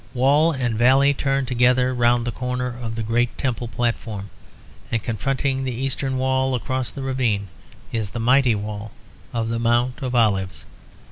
Wall and valley turn together round the corner of the great temple platform, and confronting the eastern wall, across the ravine, is the mighty wall of the Mount of Olives.